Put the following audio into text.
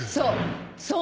そう！